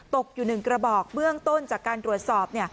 ตกอยู่๑กระบอกเบื้องต้นจากการตรวจสอบ